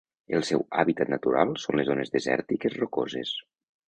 El seu hàbitat natural són les zones desèrtiques rocoses.